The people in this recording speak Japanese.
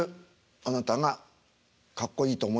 あなたがかっこいいと思います。